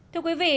thưa quý vị